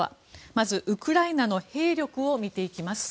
まずウクライナの兵力を見ていきます。